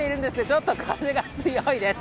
ちょっと風が強いです。